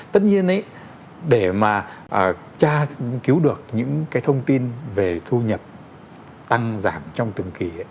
tất nhiên ấy để mà tra cứu được những cái thông tin về thu nhập tăng giảm trong từng kỳ